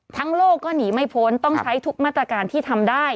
โลกก็หนีไม่พ้นต้องใช้ทุกมาตรการที่ทำได้